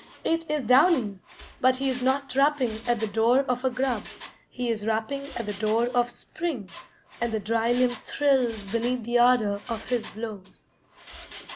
It is Downy, but he is not rapping at the door of a grub; he is rapping at the door of spring, and the dry limb thrills beneath the ardor of his blows.